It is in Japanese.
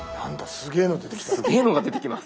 すげえの出てきた。